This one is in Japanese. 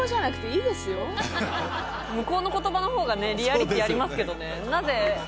向こうの言葉の方がねリアリティーありますけどねなぜ？